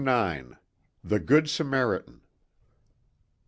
IX. THE GOOD SAMARITAN.